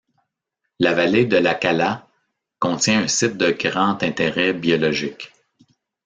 La vallée de la Cala contient un site de grand intérêt biologique.